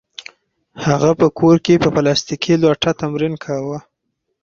هغه په کور کې په پلاستیکي لوټه تمرین کاوه